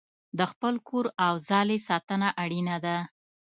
د خپل کور او ځالې ساتنه اړینه ده.